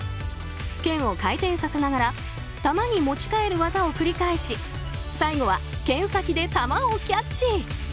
けんを回転させながら玉に持ち替える技を繰り返し最後は、けん先で玉をキャッチ。